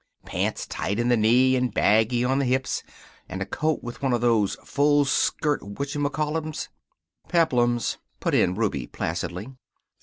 Pants tight in the knee and baggy on the hips. And a coat with one of those full skirt whaddyoucall 'ems " "Peplums," put in Ruby, placidly.